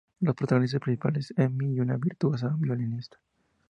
La protagonista principal es Emi, una virtuosa violinista.